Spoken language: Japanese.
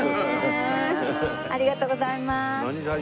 ありがとうございます。